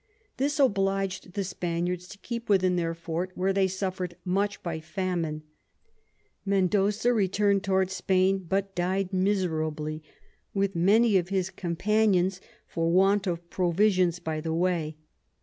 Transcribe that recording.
This oblig'd the Spaniards to keep within their Fort, where they suffer'd much by Famine. Mendoza return'd towards Spain, but died miserably, with many of his Companions, for want of Provisions by the way.